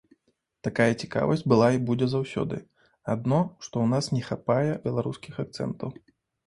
Такая цікавасць была і будзе заўсёды, адно, што ў нас не хапае беларускіх акцэнтаў.